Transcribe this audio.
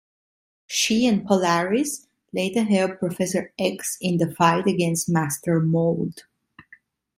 She and Polaris later help Professor X in the fight against Master Mold.